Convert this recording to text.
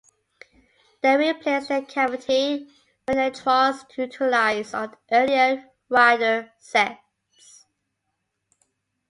They replaced the cavity magnetrons utilized on earlier radar sets.